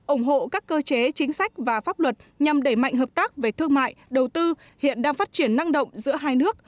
ủng hộ các cơ chế chính sách và pháp luật nhằm đẩy mạnh hợp tác về thương mại đầu tư hiện đang phát triển năng động giữa hai nước